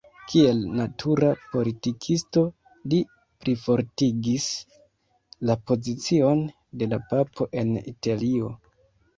Kiel natura politikisto, li plifortigis la pozicion de la papo en Italio.